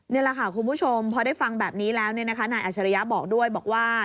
นี่แหละค่ะคุณผู้ชมพอได้ฟังแบบนี้แล้วนายอัชริยะบอกด้วยบอกว่า